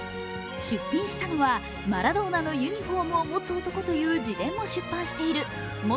出品したのは「マラドーナのユニフォームを持つ男」という自伝を出版している元